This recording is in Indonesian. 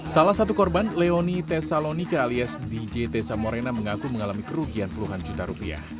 salah satu korban leoni tesalonika alias dj tezamorena mengaku mengalami kerugian puluhan juta rupiah